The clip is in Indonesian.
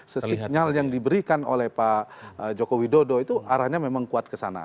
sesiknal yang diberikan oleh pak joko widodo itu arahnya memang kuat kesana